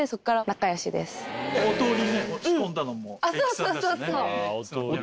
そうそうそうそう！